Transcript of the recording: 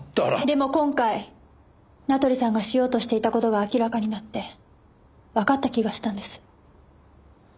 でも今回名取さんがしようとしていた事が明らかになってわかった気がしたんです。